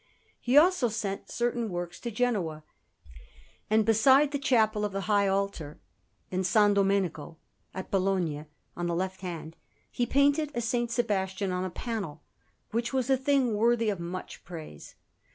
He also sent certain works to Genoa; and beside the Chapel of the High Altar in S. Domenico at Bologna, on the left hand, he painted a S. Sebastian on a panel, which was a thing worthy of much praise.